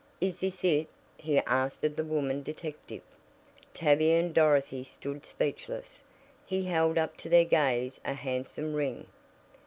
"Is this it?" he asked of the woman detective. Tavia and Dorothy stood speechless. He held up to their gaze a handsome ring!